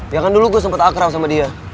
ya kan dulu gua sempet akram sama dia